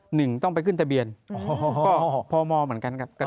หนึ่งต้องไปขึ้นทะเบียนก็พมเหมือนกันครับ